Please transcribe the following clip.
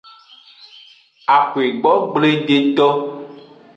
Axwegbogbledeto.